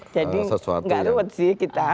jadi enggak ruwet sih kita